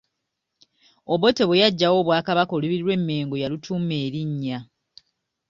Obote bwe yaggyawo Obwakabaka, olubiri lw’e Mengo yalutuuma erinnya.